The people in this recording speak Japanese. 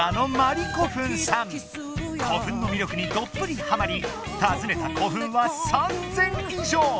古墳の魅力にどっぷりはまり訪ねた古墳は３０００以上！